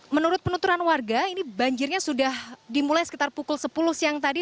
menurut penuturan warga ini banjirnya sudah dimulai sekitar pukul sepuluh siang tadi